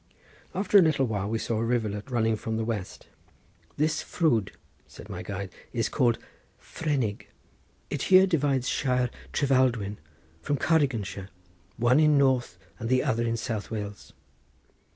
After a little time we saw a rivulet running from the west. "This ffrwd," said my guide, "is called Frennig. It here divides shire Trefaldwyn from Cardiganshire, one in North and the other in South Wales."